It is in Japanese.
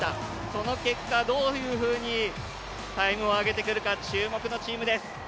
その結果、どういうふうにタイムを上げてくるか注目のチームです。